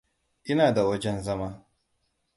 Ina da wajen zama.